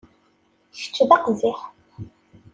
Kečč d aqziḥ.